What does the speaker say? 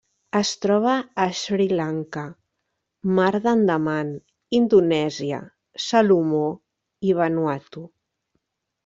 Es troba a Sri Lanka, Mar d'Andaman, Indonèsia, Salomó i Vanuatu.